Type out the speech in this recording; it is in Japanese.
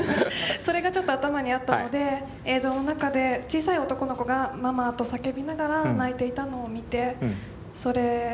それがちょっと頭にあったので映像の中で小さい男の子が「ママ」と叫びながら泣いていたのを見てそれに関連づけて書いてみました。